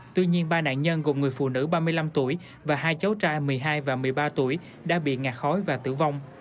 tuy nhiên ba nạn nhân gồm người phụ nữ ba mươi năm tuổi và hai cháu trai một mươi hai và một mươi ba tuổi đã bị ngạt khói và tử vong